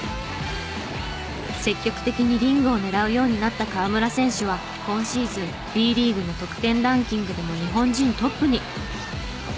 積極的にリングを狙うようになった河村選手は今シーズンＢリーグの得点ランキングでも日本人トップに！